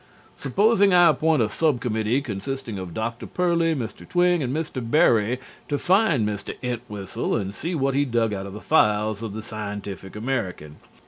Supposing I appoint a sub committee consisting of Dr. Pearly, Mr. Twing and Mr. Berry, to find Mr. Entwhistle and see what he dug out of the files of the _Scientific American.